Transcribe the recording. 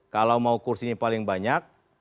kalau mau kursinya paling banyak